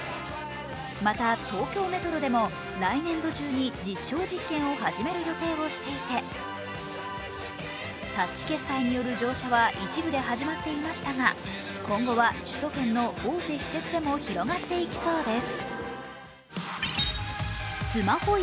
また、東京メトロでも来年度中に実証事件を始める予定をしていて、タッチ決済による乗車は一部で始まっていましたが今後は首都圏の大手私鉄でも広がっていきそうです。